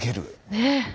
ねえ。